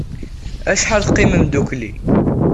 Acḥal ay teqqimem ddukkli?